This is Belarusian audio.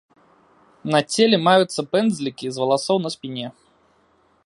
На целе маюцца пэндзлікі з валасоў на спіне.